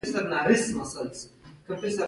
د اسطورو باور د بشري ټولنې د همکارۍ بنسټ و.